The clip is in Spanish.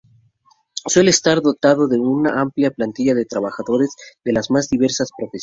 Suele estar dotado de una amplia plantilla de trabajadores de las más diversas profesiones.